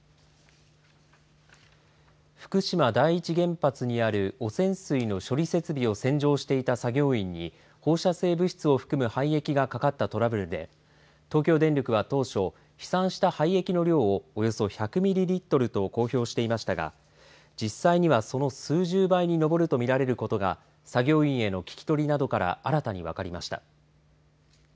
福島第一原発にある汚染水の処理設備を洗浄していた作業員に放射性物質を含む廃液がかかったトラブルで東京電力は当初飛散した廃液の量をおよそ１００ミリリットルと公表していましたが実際にはその数十倍に上ると見られることが作業員への聞き取りなどから新たに分かりました。